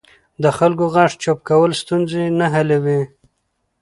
د خلکو غږ چوپ کول ستونزې نه حلوي